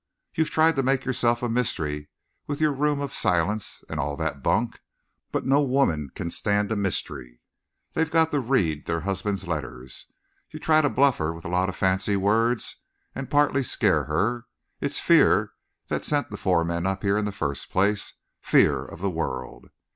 "You tried to make yourself a mystery with your room of silence and all that bunk. But no woman can stand a mystery. They all got to read their husband's letters. You try to bluff her with a lot of fancy words and partly scare her. It's fear that sent the four men up here in the first place fear of the world.